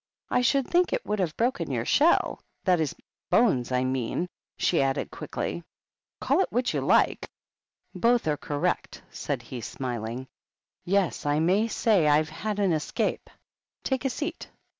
"I should think it would have broken your shell, — ^that is, boneSy I mean," she added, quickly. "Call.it which you like; both are correct," 88 HUMPTY DUMPTY. said he, smiling. " Yes, I may say IVe had an escape. Take a seat."